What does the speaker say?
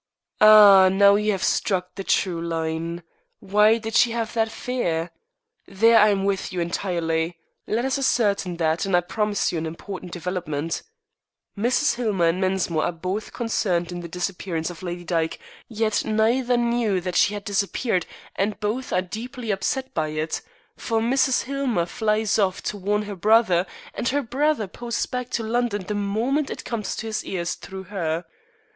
"Ah! Now you have struck the true line. Why did she have that fear? There I am with you entirely. Let us ascertain that and I promise you an important development. Mrs. Hillmer and Mensmore are both concerned in the disappearance of Lady Dyke, yet neither knew that she had disappeared, and both are deeply upset by it, for Mrs. Hillmer flies off to warn her brother, and the brother posts back to London the moment it comes to his ears through her.